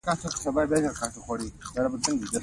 پیاله د مور لخوا مینځل کېږي.